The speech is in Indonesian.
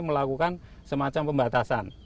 melakukan semacam pembatasan